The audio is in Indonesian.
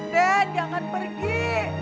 den jangan pergi